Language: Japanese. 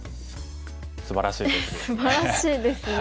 すばらしいですよね。